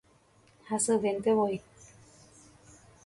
Hasyventevoi